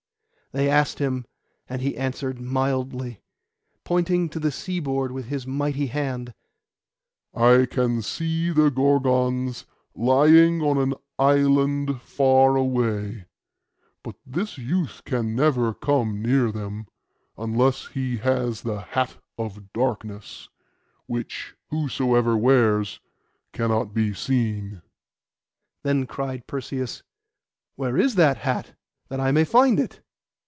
They asked him, and he answered mildly, pointing to the sea board with his mighty hand, 'I can see the Gorgons lying on an island far away, but this youth can never come near them, unless he has the hat of darkness, which whosoever wears cannot be seen.' Then cried Perseus, 'Where is that hat, that I may find it?